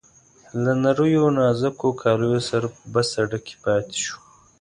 له نریو نازکو کالیو سره په بس اډه کې پاتې شو.